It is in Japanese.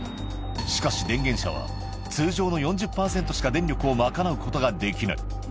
しかし電源車は通常の４０％しか電力を賄うことができない。